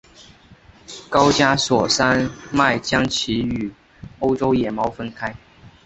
高加索山脉将其与欧洲野猫分开。